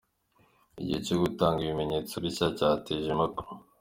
Igihe cyo gutanga ibimentso bishya cyateje impaka.